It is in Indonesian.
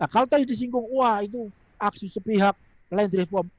kalau tadi disinggung wah itu aksi sepihak lendrivo